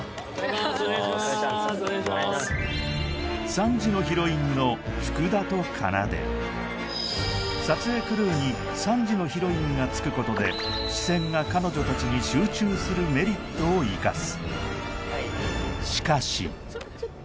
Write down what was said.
３時のヒロインの福田とかなで撮影クルーに３時のヒロインがつくことで視線が彼女たちに集中するメリットを生かす